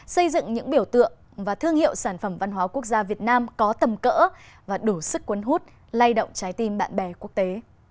xây dựng những biểu tượng và thương hiệu sản phẩm văn hóa quốc gia việt nam có tầm cỡ và đủ sức quấn hút lay động trái tim bạn bè quốc tế